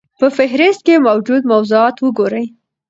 په فهرست کې موجود موضوعات وګورئ.